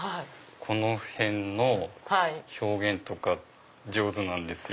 この辺の表現とか上手なんです。